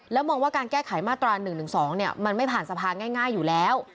มองว่าการแก้ไขมาตรา๑๑๒มันไม่ผ่านสภาง่ายอยู่แล้ว